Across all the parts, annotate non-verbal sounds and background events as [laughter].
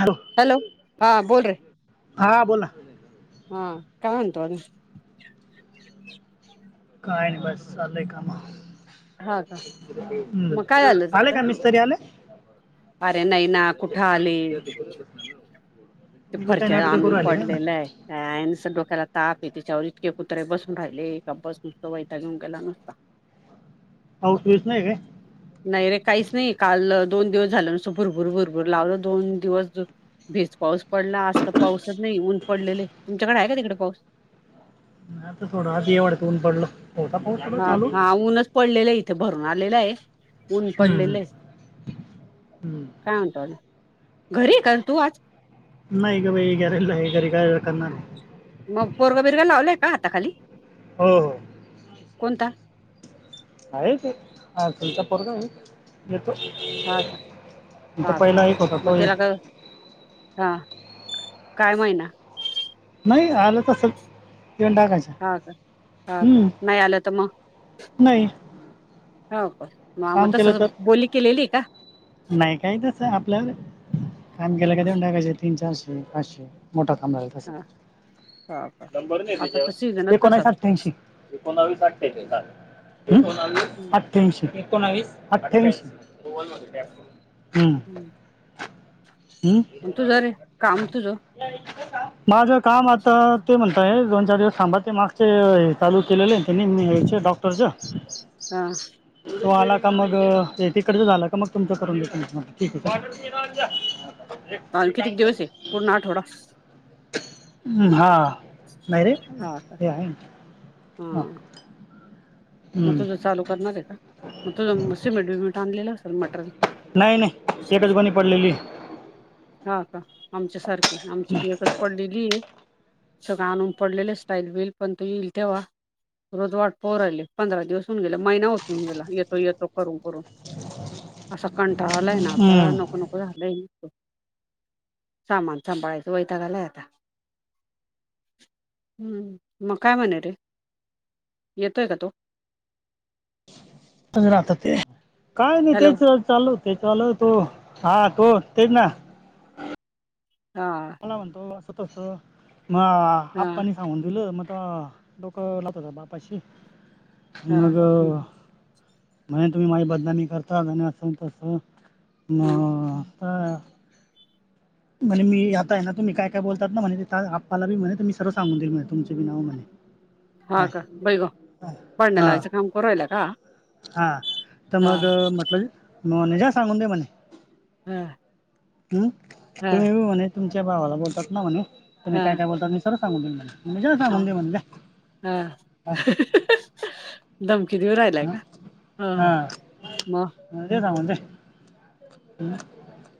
Hello hello हां बोल रे हा बोला. हा काय म्हणतो अजून काय नाही बस चाललंय कामाले हा का मग काय झालं आले का मिस्त्री? मिस्त्री आले? अरे नाही ना कुठं आले? ते मी बी काय फरश्या नाटकं आणून करू आले का पडलेलं आहे. काय नुसता डोक्याला ताप आहे त्याच्यावर इतके कुत्रे बसून राहिलेका बस नसत वैताग येऊन गेला नसता. पाऊस बिऊस नाही काय? नाही रे काहीच नाही, काल दोन दिवस झालं नुसतं भुरभुर- भुरभूर लावलं दोन दिवस. भेज पाऊस पडला आज तर पाऊसच नाही ऊन पडलेले तुमच्याकडे आहे का तिकडे पाऊस? मग आज थोडं ऊन पडलं. हो. हा -हा ऊनच पडलेलं आहे. इथे भरून आलेलं आहे ऊन हम्म, पडलेलं हम्म, आहे. हम्म. काय म्हणतो आणि ना घरी आहे का तू आज? नाही ग बाई गॅरेजला आहे घरी काय करणार आहे? मग पोरग बिरगा लावलाय का आता हाता खाली? हो-हो कोणता? आहे ते हा त्यांचा पोरगा आहे. म त हा का तर हा का पहिला एक होता मग तो त्याला एक का हा काय महिना? नाही, आलं तसं इन टाकायचं. हा का, हा का? हम्म नाही आलं तर मग? नाही हो का माम काम तस केलं तर बोली केलेली का? नाही, काही तसं आपल्या काम केलं काय, हा देऊन टाकायचं तीन-चार. पासे मोठं काम झाल्यावर. हा हा हो का नंबर नाही आता त्याच्यावर तर ते सीझनच नसल एकोणीस अथेन्सी. एकोणावीस अठ्ठेचाळीस एकोवीस हम्म, अठ्ठ्यांशी. एकोवीस अठ्ठवीस. हम्. हम्म. मग तुझं रे काम तुझं. माझं काम आता ते म्हणतंय, दोन-चार दिवस थांबा. ते मागचे हे चालू केलेले आहेत, त्यांचे डॉक्टर. तुळजा हा. तो आला का मग? अटिकडचं झालं का मग? तुमचं करून द्या, ठीक आहे. पालखी किती दिवस द्यायची आहे? पूर्ण आठवडा? हा नाहीरे हे आहे. हा. हम. मग हम्म. तुझं चालू करणार आहे का? मग तुझं सीमिट-बिमिट आणलेलं असेल मटर. नाही, नाही, तेच बंद पडलेलं. हा का, आमच्यासारखी आमची भियकच पडलेली आहे. सगळं आणून पडलेलं, स्टाईल-बिल पण तू येईल तेव्हा. रोज वाट पाहिली, पंधरा दिवस होऊन गेले. महिना होत आला, येतो-येतो करून करून. असं कंटाळलाय ना आता, हम्म. नको नको झालंय. सामान सांभाळायचं वैताकालय आता. हम्म, मग काय म्हणे रे? येतोय का तो? राहता ते काय नाही, हॅलो तेच चालू. ते चालतं हा, तो तेच ना. हा. [unintelligible] मला बो असतो म हा आपण सांगून दिलं मग डोकं लात हो बापाशी. हा मग म्हणे, तुम्ही माझी बदनामी करता आणि असं तसं. ह हम्म म्ह [unintelligible] आणि मी ना, तुम्ही काय काय बोलतात ना, म्हणे आप्पाला बी म्हटलं, मी सगळं सांगून देईन, म्हणे तुमचं बी नाव म्हणे. हा काय का, बैग पडण्यालाचं काम करूयला का? हा, तर हा मग म्हटलं, मग ज्या सांगून दे, म्हणे. हा. हं, हा तुम्ही म्हणे तुमच्या भावाला बोलतात ना, म्हणे, तुम्ही हा काय काय बोलतात मी सगळं सांगूदीन मनलं. म्हणजे ना, सांगून हा दे म्हणले. हा. धमकी देऊ राहिलाय का हं? म्हणजे राहुंडे.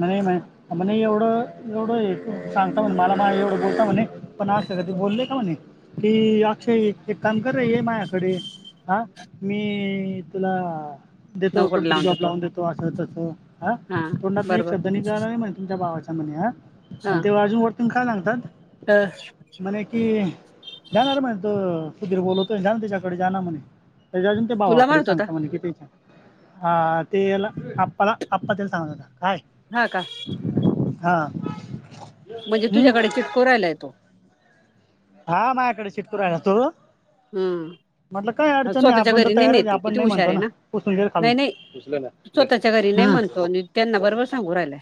नाही माहित. म्हणे, एवढं-एवढं सांगता म्हण मला, एवढं बोलता म्हणे, पण असं कधी बोलले का म्हणे? की अक्षय, एक काम कर, ये मायकडे. आ मी तुला देतो कुठेतरी जॉब लावून देतो, असं तसं. हा, तोंडातन एक शब्द निघला नाही, म्हणे तुमच्या भावाच्या [unintelligible] हा. तेव्हा अजून [unintelligible] [unintelligible] म्हणे कि, जाणार म्हणे तो सुधीर बोलतो जा न त्याच्याकडे, जा ना म्हण त्याच्या अजून ते तुला भावाकडे म्हणत होता सांगता म्हणजे की, त्याच्या अं ते याला आप्पाला आप्पा ते सांगणार का काय? हा, का? हा. म्हणजे हम्म? तुझ्याकडे चिटको राहायला तो. हा, माझ्याकडे चिटकू राहयला तो. हम्म. म्हटलं काय अडचण नाही, स्वतःच्या आपण तर घरी तयारचे नेते आपण किती नाही हुशार म्हणतो आहे ना नाही नाही [unintelligible] स्वतःच्या घरी नाही हम्म. म्हणतो आणि त्यांना बरोबर सांगू राहिलाय.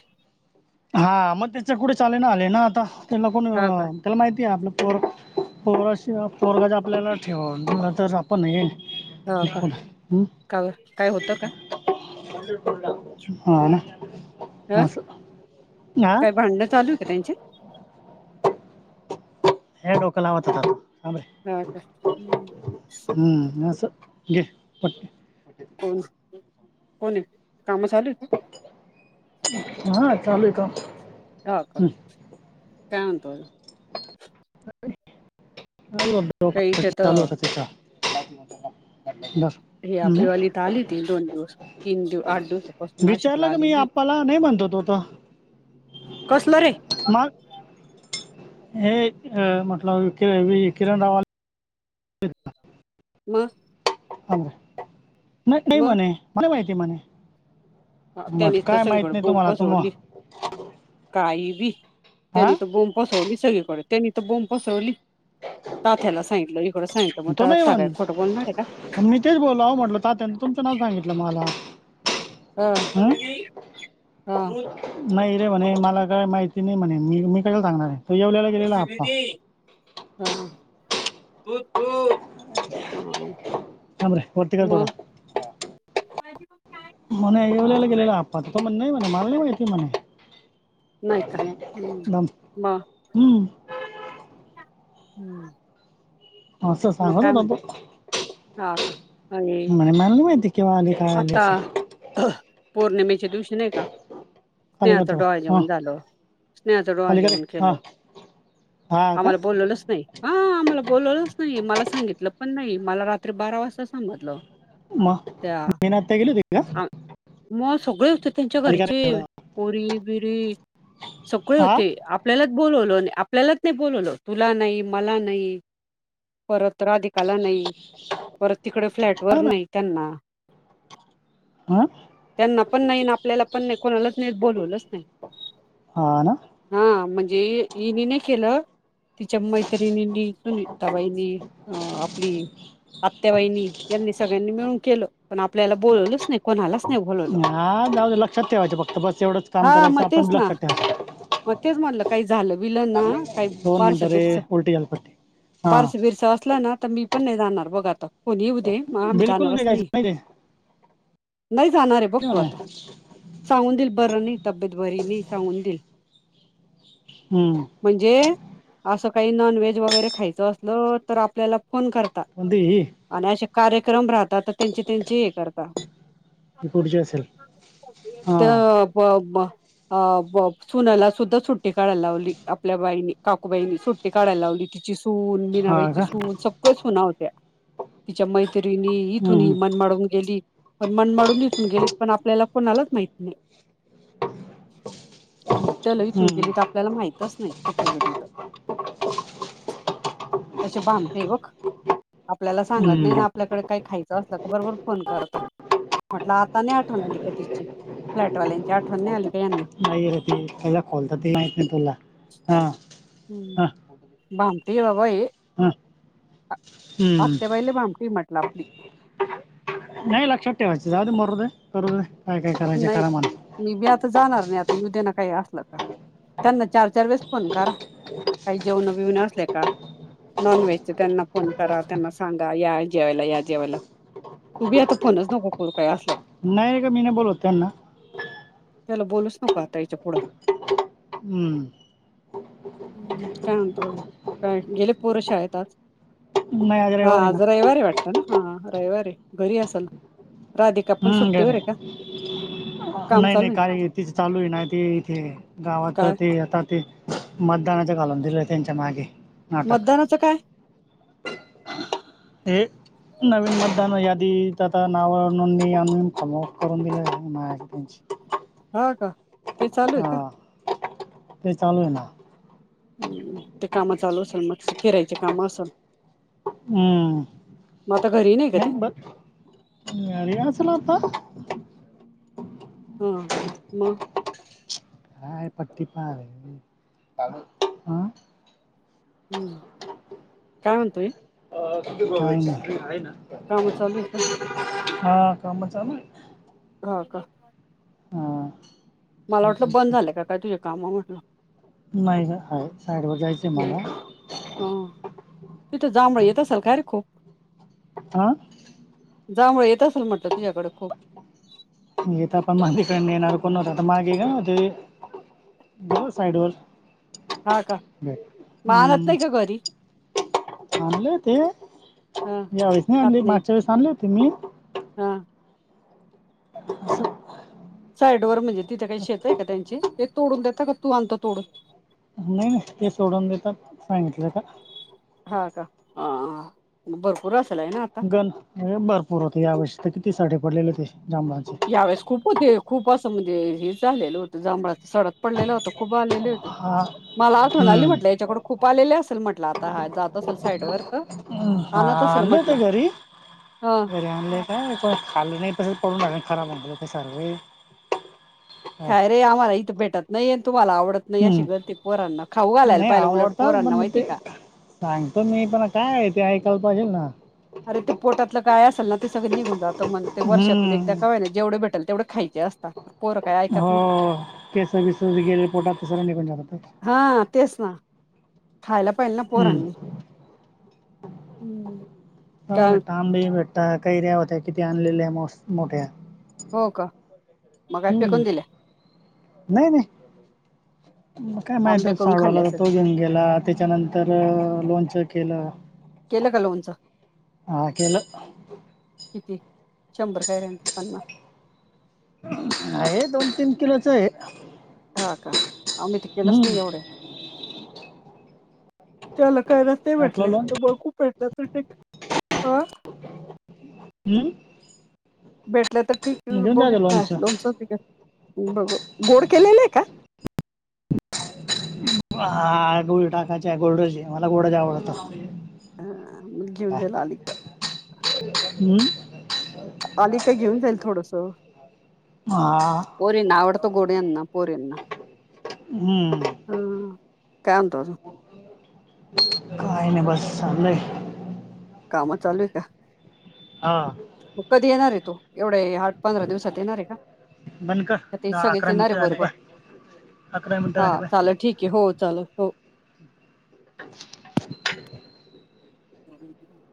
हा, मग त्याच्या कुठे चालेना आले ना आता, त्यांना कोण हा का त्याला माहिती आहे, आपलं पोर पोराशीवाय पोरगं जे आपल्याला ठेव हा का [unintelligible] का बरं? काय होतं का [unintelligible] हा [unintelligible] [unintelligible] चालू आहे का त्यांच? हा का [unintelligible] हम्म. [unintelligible] कोण, कोण आहे? काम चालू आहे का? हा, चालू आहे काम. हा का. हम्म. काय म्हणता अजून? काही इथे [unintelligible] चालू तर [unintelligible] त्याचा. [unintelligible] हे आपल्या वालीत आली ती, दोन दिवस, तीन दिव, आठ दिवस विचारलं का मी आप्पाला. नाही म्हणतो तो तर कसलं रे मग? [unintelligible] माहीत नाही मग म्हणे, मला माहिती म्हणे. ह म्हट त्यानी तर काय माहित सगळीकडे नाही बोंब तुम्हाला तुम पसरवली, काहीही हा त्यानी त बोंब पसरवली, सगळीकडे त्यानी तर बोंब पसरवली, तात्याला सांगितलं मग तो नाही म्हण [unintelligible] खोटं बोलणार आहे का? मी तेच बोलाव म्हटलं. तात्यानं तुमचं नाव सांगितलं मला. हं? होय, हा. नाही रे म्हणे, मला काय माहिती नाही म्हणे, मी मी कसं सांगणार. तो येवल्याला गेलेला आप्पा [unintelligible] [unintelligible] थांब रे वरती कर थोडा मग? म्हणे हा येवलेला गेलेला आप्पा, त म्हणे नाही म्हणे मला नाही माहिती म्हणे. नाही का हम्म मग [unintelligible] हम्म. आस सांगत होता तो. हा, का. [unintelligible] मला म्हणे नाही माहिती केव्हा आले. आता पौर्णिमेच्या दिवशी नाही का. खाली कर स्नेहाच थोडा डोहाळ हां जेऊन झाल. स्नेहाचा डोहाळ खाली करे जेवन केल. हां हा का आम्हाला बोलवलच नाही. हा आम्हाला बोलवलंच नाही. मला सांगितलं पण नाही मला रात्री बारा वाजता समजलं. म. त्या मग सगळे व्यव त्यांच्या खाली करे घरचे थोडं पोरी बिरी सगळे हा होते. आप ल्यालाच बोलवलो. आपल्यालाच नाही बोलवलो तुला नाही मला नाही. परत राधिकाला नाही. परत तिकडे फ्लॅट वर नाही त्यांना, आ. त्यांना पण नाही. ना आपल्याला पण नाही. कोणालाच नाही बोलवलच नाही. हा ना हा म्हणजे हेनी नाही केलं. तिच्या मैत्रिणींनी, सुनीताबाईनी अं आपली आत्याबाइनी यांनी सगळ्यांनी मिळून केलं. पण आपल्याला बोलवलच नाही. कोणालाच नाही बोलवल. हा जाऊ दे लक्षात ठेवायचं फक्त बस एवढंच काम हा मग करायचं आपण तेच बी ना. लक्षात ठेवायचं मग तेच म्हटलं काही झालं बीलं ना. काही दोन बारस मिनटं रे बिरस उलटी झाली पट्टी बारस हां बिरस असलं ना. तर मी पण नाही जाणार. बघ आता, फोन येऊदे. मग आम्ही बिलकुल जाणारच निघायचं नाही. रे नाही जाणार आहे बघ नाही तू आता. म्हणे. सांगून दिल बरं नाही. तब्येत बरी नाही सांगून देईल. हम्म. म्हणजे असं काही नॉनव्हेज वगैरे खायचं असल मग आपल्याला फोन करतात. कोणती ही आणि असे कार्यक्रम राहतात तर त्यांचे त्यांचे हे करतात. ही पुढची असेल हां त्या अबा अबा अ ब सुनला सुद्धा सुट्टी काढायला लावली. आपल्या बाईनी काकूबाईनी सुट्टी काढाय लावली. तिची सून, हा मीनाबाईची का सून, सगळ सुना होत्या तिच्या मैत्रिणी तेथून हम्म, मनमाडून गेली. पण मनमाडून दिसून गेलीत पण आपल्याला कोणालाच माहित नाही. चल इथून हम्म, गेली. तर आपल्याला माहितच नाही कुठं गेली तर, कसे भांडते बघ. आपल्याला सांगत नाही ना. हम्म. आपल्याकडे काय खायच असला का बरोबर फोन करता. म्हटलं आता नाही आठवण आली का तिची फ्लॅटवाल्यांची आठवण नाही आली. का यांना नाही. ते पहिला खोलतात ते माहीत नाही तुला हा. हा भांडते होय बाई. हा हम्म. आत्याबाई ला भांडते म्हटलं आपली. नाही लक्षात ठेवायंच. जाऊ दे. मरू दे. दे करू दे काय काय करायचे नाही करा म्हणा. मी बी आता जाणार नाही. आता येऊदे ना काही असलं का. त्यांना चार चार वेळेस फोन करा. काही जेवण बिवन असल्या का. नॉनव्हेज त्यांना फोन करा. त्यांना सांगा. या जेवायला या जेवायला. तू बी आता फोनच नको करू काही असलं तर, नाही का मी नाही बोलवत त्यांना त्याला बोलूच नको आता याच्या पुढं. हम्म. [inaudible] हम्म. काय म्हणतो आणि काय गेले पोर शाळेत आज? नाही हा रविवार आहे ना आज रविवारय वाटत ना हा रविवारे घरी असाल. राधिका पण हम्म, सुट्टीवर घरी आहे का? काम नाही नाही चालू आहे काही तीच चालूय ना ते इथे गावात काय ते आता ते मतदानाच घालून दिलं त्यांच्या मागे. नाटक मतदानाचं काय? हे नवीन मतदान यादीत आता नाव नोंदणी आणून [unintelligible] करून दिले म्हणायचं ते हा का ते चालूये हा का? ते चालू आहे ना. हम्म ते कामं चालू असल मग फिरायची कामं असल. हम्म मग आता घरी नाही का ती ब ग याय नसलं आता. हां म काय पट्टी [unintelligible] हां. हम् काय म्हणतोय? काय नाही. ना कामं चालू आहे का? हा काम चालूये. हा का. हा. मला वाटलं बंद झालंय का काय तुझे काम म्हटलं. नाही ना हाय साईड वर जायचंय मला. ह तिथं जांभळी येत असल का रे खूप? हां जांभळी येत असेल म्हटलं तुझ्याकडे खूप. येता [unintelligible] मिळणार कुणाला [unintelligible] बघू साईड वर हा का मग आणत हम्म नाही का घरी आणले होते हा यावेेळेस नाही आणले मागच्या वेळेस आणले होते मी. हां. असं साईड वर म्हणजे तिथे काही शेत आहे का त्यांचे ते तोडून देता का तू आणतो तोडून? नाही नाही ते सोडून देतात सांगितलं का. हा का हा भरपूर असल हय ना आ पण भरपूर होते या वर्षी तर किती साडे पडलेले ते जांभळाचे. यावेळेस खूप होते खूप असं म्हणजे हे झालेलं होतं जांभळ सडक पडलेलं होत. खूप आलेले होते. हा मला आठवण आलीस हम्म म्हटलं याच्याकड खूप आलेले असेल म्हटलं आता हा जात असेल साईड व तर. हम्म हा आणत असेल आणले होते म्हटलं घरी ह घरी आणले. हं कोणी खाल्ले नाही तसेच पडून राहिले खराब होऊन जाते सर्वे काय रे आम्हाला इथं भेटत नाही आणि तुम्हाला आवडत नाही अशी हम्म. गत हाई पोरांना खाऊ घालायला नाही पाहिला उलट आवडतात पण पोरांना मग माहितीए ते का? सांगतो मी पण काय आहे ते ऐकायला पाहिजेल ना? अरे ते पोटातलं काय असेल ना ते सगळ निघून जातं म्हणं ते वर्षातून एकदा हम्म का होईना जेवढ भेटल तेवढ खायचे अस हो केसं बिस गेलेले पोटात ते सगळं निघून जात. हा तेच ना खायला पायेल ना हम्म. पोरांनी हम्म. ह काय भेटता आंबीही भेटता कैऱ्या होत्या किती आणलेल्या मस मोठ्या. हो का. मग काय हम्म फेकून दिल्या नाही-नाही. म काय मा आंबे तो करून साडू खाल्ले आला तर असेल. तो घेऊन गेला त्याच्यानंतर लोणचं केलं. केलं का लोणचं? हा केलं. किती शंभर कैऱ्याच की पन्नास? आहे दोन तीन किलोच आहे. हा का आम्ही त केलंच हम्म नाही एवढ्यात त्याला काय ते टाकलं भेटले लोण त ब खूप भेटलं तर ठीक ह. हम्म. भेटल्या तर ठीक घेऊन बघू जायचं काय लोणचं लोणच बघू गोड केलेले आहे का? हा गोळी टाकाचे गोडची मला गोडज आवडतात. हा मु घेऊन जाईल आली का. हम्म. आली काय घेऊन जाईल थोडसं. हा पोरींना आवडत गोड यांना पोरीना. हम्म ह काय म्हणतो अजून. काही नाही बस चालय. काम चालूय आहे का? हा. मग कधी येणार आहे तो एवढं ह्या पंधरा दिवसात येणार आहे बंद कर का ते दहा सगळेच अकरा येणारे मिनिटं झाले बरोबर. पाय अकरा मिनिट झाले पाहाय. झालं ठीक ये हो चाल हो. [inaudible] [inaudible]